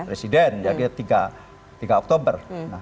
presiden jadi tiga oktober